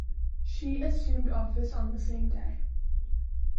She assumed office on the same day.